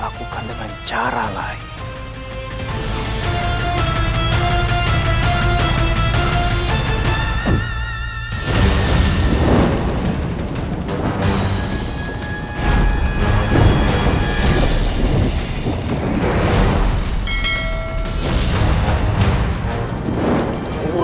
ayuh cepat antarkan aku